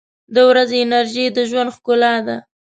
• د ورځې انرژي د ژوند ښکلا ده.